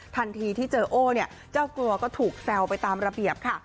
ทันทีที่เจอโอ้เนี่ยเจ้าตัวก็ถูกแซวไปตามระเบียบค่ะ